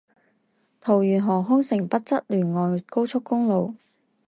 桃園航空城北側聯外高速公路